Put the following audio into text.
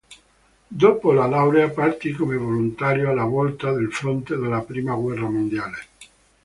Dopo la laurea partì come volontario alla volta del fronte della Prima guerra mondiale.